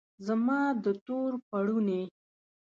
زما د تور پوړنې